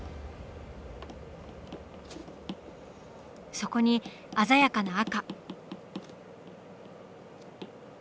そこに鮮やかな赤。